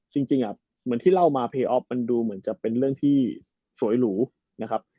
จริงเหมือนที่เล่ามาเพยออฟมันดูเหมือนจะเป็นเรื่องที่สวยหรูนะครับ